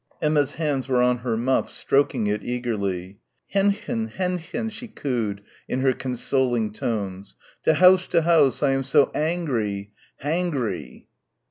Emma's hands were on her muff, stroking it eagerly. "Hendchen, Hendchen," she cooed in her consoling tones, "to house to house, I am so angry hangry."